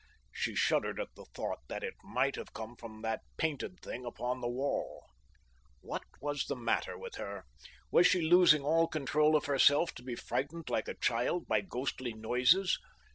She shuddered at the thought that it might have come from that painted thing upon the wall. What was the matter with her? Was she losing all control of herself to be frightened like a little child by ghostly noises?